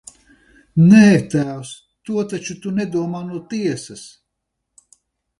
Nē, tēvs, to taču tu nedomā no tiesas!